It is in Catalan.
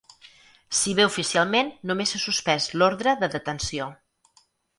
Si bé oficialment només s’ha suspès l’ordre de detenció.